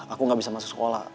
aku gak bisa masuk sekolah